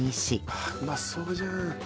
あっうまそうじゃん。